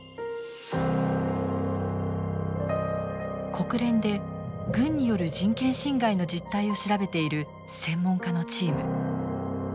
国連で軍による人権侵害の実態を調べている専門家のチーム。